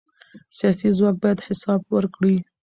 سیاسي ځواک باید حساب ورکړي